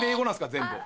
全部。